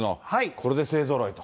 これで勢ぞろいと。